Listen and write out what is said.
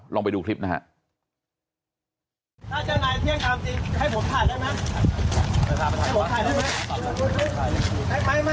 ลองไปดูคลิปนะฮะ